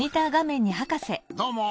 どうも。